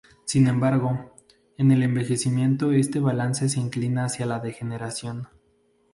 Sin embargo, en el envejecimiento este balance se inclina hacia la degeneración.